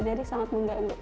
jadi sangat mengganggu